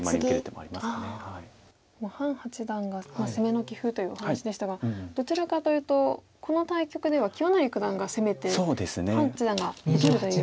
もう潘八段が攻めの棋風というお話でしたがどちらかというとこの対局では清成九段が攻めて潘八段が受けるという。